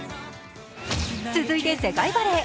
続いて世界バレー。